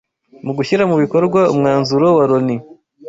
Mu gushyira mu bikorwa umwanzuro wa Loni